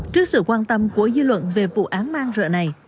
trước sự quan tâm của dư luận về vụ án mang ra